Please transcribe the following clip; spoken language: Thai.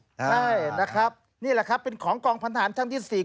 ใช่นะครับนี่แหละครับเป็นของกองพันธารท่านที่๔